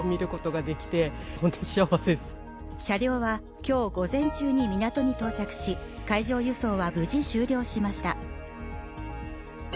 車両は今日午前中に港に到着し、海上輸送は無事、終了しました。